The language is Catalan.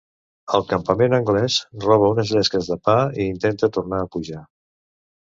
Al campament anglès roba unes llesques de pa i intenta tornar a pujar.